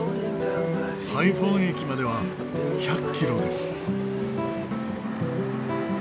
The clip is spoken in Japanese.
ハイフォン駅までは１００キロです。